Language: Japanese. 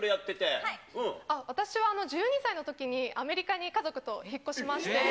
私は１２歳のときにアメリカに家族と引っ越しまして。